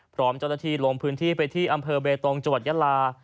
พร้อมเจ้าหน้าที่ลงพื้นที่ไปที่อำเภอเบตงจังหวัดยาลา